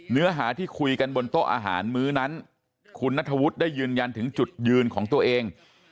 เนื้อหาที่คุยกันบนโต๊ะอาหารมื้อนั้นคุณนัทธวุฒิได้ยืนยันถึงจุดยืนของตัวเอง